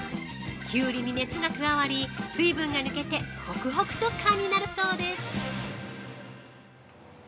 キュウリに熱が加わり水分が抜けてホクホク食感になるそうです。